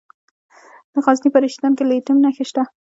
د غزني په رشیدان کې د لیتیم نښې شته.